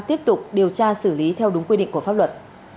tiếp tục điều tra xử lý theo đúng quy định của pháp luật